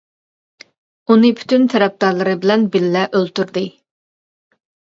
ئۇنى پۈتۈن تەرەپدارلىرى بىلەن بىللە ئۆلتۈردى.